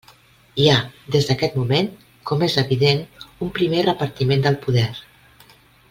Hi ha, des d'aquest moment, com és evident, un primer repartiment del poder.